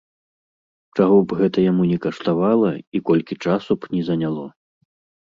Чаго б гэта яму ні каштавала і колькі часу б ні заняло.